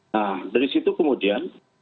nah dari situ kemudian